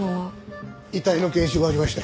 遺体の検視終わりました。